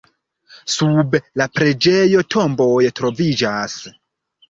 Sub la preĝejo tomboj troviĝas.